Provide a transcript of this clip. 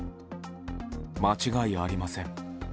間違いありません。